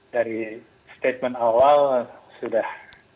dari statement awal sudah